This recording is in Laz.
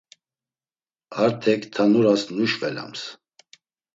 Artek Tanuras nuşvelams.